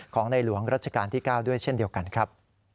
ของในหลวงรัชกาลที่๙ด้วยเช่นเดียวกันครับ